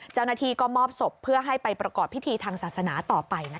เจ้าหน้าที่ก็มอบศพเพื่อให้ไปประกอบพิธีทางศาสนาต่อไปนะคะ